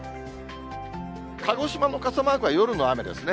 鹿児島の傘マークは夜の雨ですね。